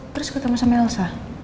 terus ketemu sama elsa